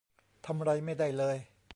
ทำไรไม่ได้เลย